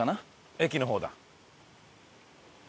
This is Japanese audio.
駅の方だ。